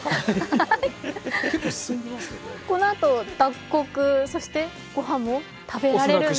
このあと脱穀、そしてごはんを食べられるんですかね？